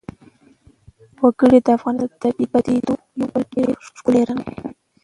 وګړي د افغانستان د طبیعي پدیدو یو بل ډېر ښکلی رنګ دی.